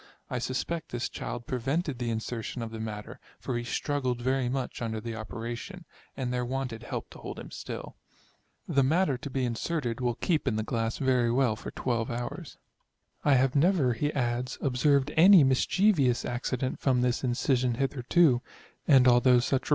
I suspect this child pre vented the insertion of the matter, for he struggled very much under the operation, and there wanted help to hold him still. The matter to be inserted will keep in the glass very well for 12 hours. I have never (he adds) observed any mischievous accident from this incision hitherto; and although such re VOL.